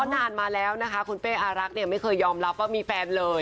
นานมาแล้วคุณเป้อลักไม่เคยยอมรับว่ามีแฟนเลย